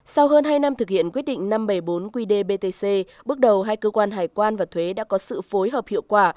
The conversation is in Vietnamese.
sau hơn hai năm thực hiện quyết định năm trăm bảy mươi bốn qdbtc bước đầu hai cơ quan hải quan và thuế đã có sự phối hợp hiệu quả